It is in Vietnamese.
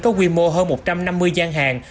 có quy mô hơn một trăm năm mươi gian hàng